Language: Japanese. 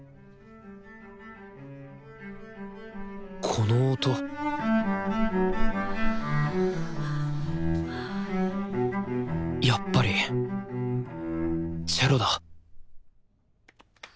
この音やっぱりチェロだ